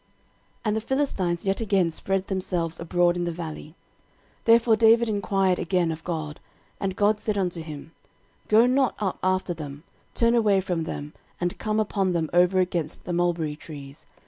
13:014:013 And the Philistines yet again spread themselves abroad in the valley. 13:014:014 Therefore David enquired again of God; and God said unto him, Go not up after them; turn away from them, and come upon them over against the mulberry trees.